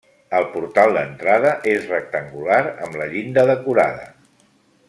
El portal d'entrada és rectangular amb la llinda decorada.